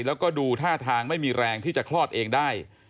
แล้วก็ดูท่าทางไม่มีแรงที่จะคลอดเองได้